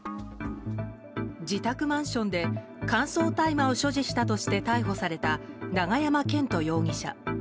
自宅マンションで乾燥大麻を所持したとして逮捕された永山絢斗容疑者。